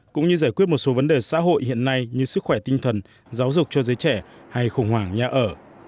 cũng như giải quyết một số vấn đề xã hội hiện nay như sức khỏe tinh thần giáo dục cho giới trẻ hay khủng hoảng nhà ở